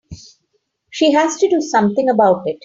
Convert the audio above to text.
She has to do something about it.